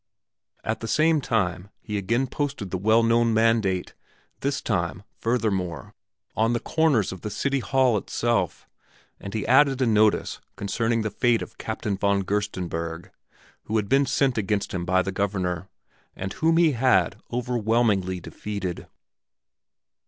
At the same time he again posted the well known mandate, this time, furthermore, on the corners of the city hall itself, and he added a notice concerning the fate of Captain von Gerstenberg who had been sent against him by the Governor, and whom he had overwhelmingly defeated.